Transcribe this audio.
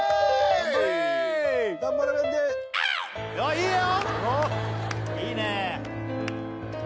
いいよ！